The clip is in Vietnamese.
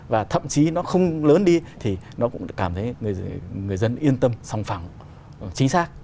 và thậm chí nó không lớn đi thì nó cũng cảm thấy người dân yên tâm song phẳng chính xác